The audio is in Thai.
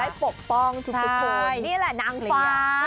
ปกป้องทุกคนนี่แหละนางฟ้า